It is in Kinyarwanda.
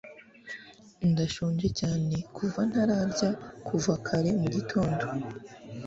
ndashonje cyane kuva ntararya kuva kare mugitondo